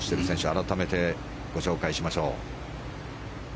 改めてご紹介しましょう。